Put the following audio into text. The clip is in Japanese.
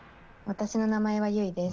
私の名前は、ゆいです。